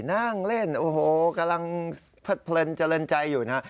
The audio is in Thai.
นั่งเล่นกำลังเผลินเจริญใจอยู่นะ